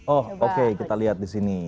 oh oke kita lihat di sini